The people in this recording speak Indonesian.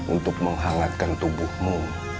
untuk menghangatkan tubuhmu